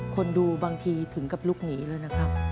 คนดูบางทีถึงกับลุกหนีเลยนะครับ